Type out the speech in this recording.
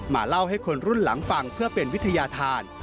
เล่าให้คนรุ่นหลังฟังเพื่อเป็นวิทยาธาร